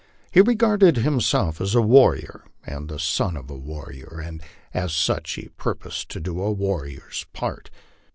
He regarded himself as a warrior, and the son of a warrior, and as such he purposed to do a warrior's part.